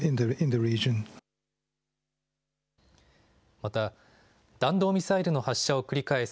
また、弾道ミサイルの発射を繰り返す